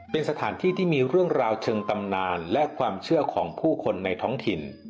เป็นสถานที่ที่มีเรื่องราวเชิงตำนานและความเชื่อของผู้คนในท้องถิ่น